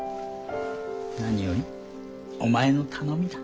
何よりお前の頼みだ。